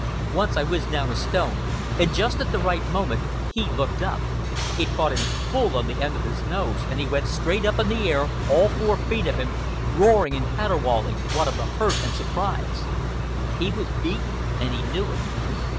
Once I whizzed down a stone, and just at the right moment he looked up. It caught him full on the end of his nose, and he went straight up in the air, all four feet of him, roaring and caterwauling, what of the hurt and surprise. He was beaten and he knew it.